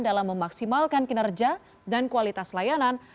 dalam memaksimalkan kinerja dan kualitas layanan